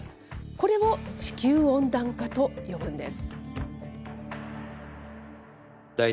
これを地球温暖化と呼ぶんです。